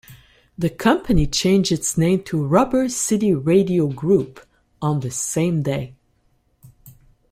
The company changed its name to Rubber City Radio Group on the same day.